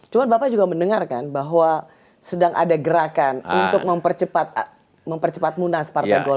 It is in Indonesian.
cuma bapak juga mendengarkan bahwa sedang ada gerakan untuk mempercepat munas partai golkar